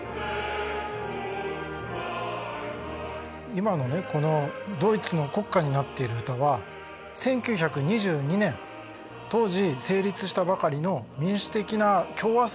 今のねこのドイツの国歌になっている歌は１９２２年当時成立したばかりの民主的な共和政